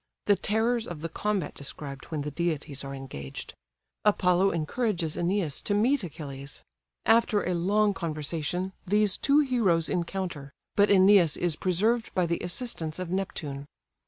The terrors of the combat described, when the deities are engaged. Apollo encourages Æneas to meet Achilles. After a long conversation, these two heroes encounter; but Æneas is preserved by the assistance of Neptune.